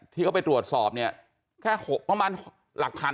ที่เขาไปตรวจสอบเนี่ยแค่ประมาณหลักพัน